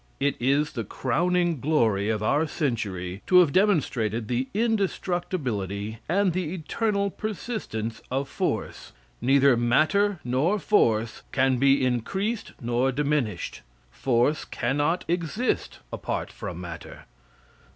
It is the crowning glory of our century to have demonstrated the indestructibility and the eternal persistence of force. Neither matter nor force can be increased nor diminished. Force cannot exist apart from matter.